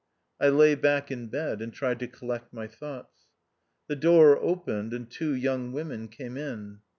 I lay back in bed, and tried to collect my thoughts. The door opened, and two young women came in.